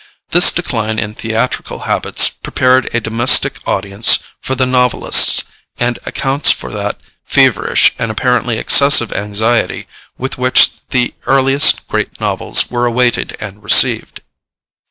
This decline in theatrical habits prepared a domestic audience for the novelists, and accounts for that feverish and apparently excessive anxiety with which the earliest great novels were awaited and received.